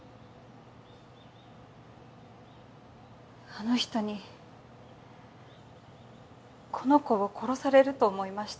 あの人にこの子を殺されると思いました。